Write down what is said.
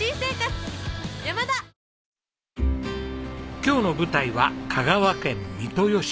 今日の舞台は香川県三豊市。